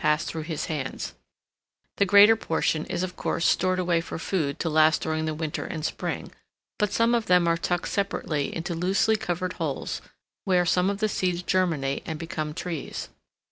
pass through his hands: the greater portion is of course stored away for food to last during the winter and spring, but some of them are tucked separately into loosely covered holes, where some of the seeds germinate and become trees.